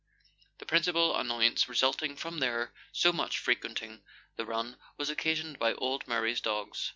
The principal annoyance result ing from their so much frequenting the run was occasioned by old Murray's dogs.